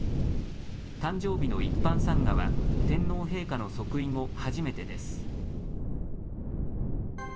誕生日の一般参賀は、天皇陛下の即位後初めてです。